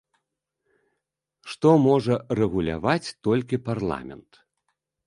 Што можа рэгуляваць толькі парламент?